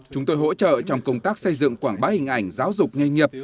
chúng tôi hỗ trợ trong công tác xây dựng quảng bá hình ảnh giáo dục nghề nghiệp